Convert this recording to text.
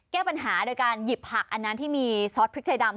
แก้ปัญหาโดยการหยิบผักอันนั้นที่มีซอสพริกไทยดำ